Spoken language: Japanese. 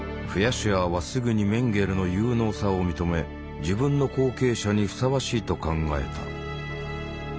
シュアーはすぐにメンゲレの有能さを認め自分の後継者にふさわしいと考えた。